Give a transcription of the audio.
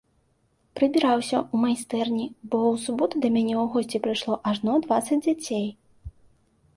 Прыбіраўся ў майстэрні, бо ў суботу да мяне ў госці прыйшло ажно дванаццаць дзяцей.